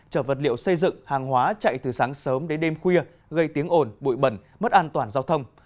chở vật liệu xây dựng hàng hóa chạy từ sáng sớm đến đêm khuya gây tiếng ồn bụi bẩn mất an toàn giao thông